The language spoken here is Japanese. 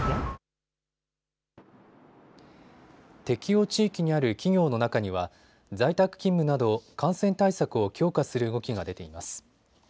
適用地域にある企業の中には在宅勤務など感染対策を強化する動きが出ています。